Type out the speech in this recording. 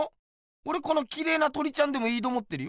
おれこのきれいな鳥ちゃんでもいいと思ってるよ。